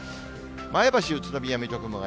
前橋、宇都宮、水戸、熊谷。